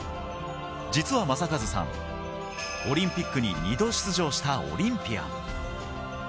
実は正和さん、オリンピックに２度出場したオリンピアン。